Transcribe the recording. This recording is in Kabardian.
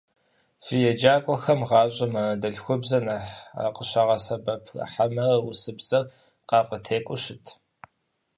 Фи еджакӀуэхэм гъащӀэм анэдэлъхубзэр нэхъ къыщагъэсэбэпрэ хьэмэрэ урысыбзэр къафӏытекӀуэу щыт?